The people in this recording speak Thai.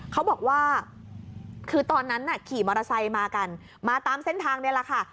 เขาบอกว่าคือตอนนั้นน่ะขี่มอเตอร์ไซค์มากันมาตามเส้นทางนี่แหละค่ะ